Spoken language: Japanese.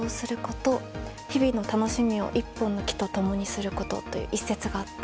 そして、日々のたのしみを、一本の自分の木と共にすること。」という一節があって。